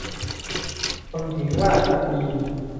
คนถือว่าโชคดี